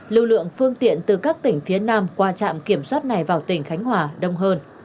lưu lượng phương tiện từ các tỉnh phía nam qua trạm kiểm soát này vào tỉnh khánh hòa đông hơn